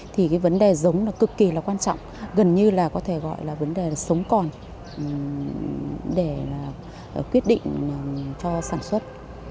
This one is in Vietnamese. thì vấn đề giống cực kỳ quan trọng gần như có thể gọi là vấn đề sống còn để quyết định cho sản xuất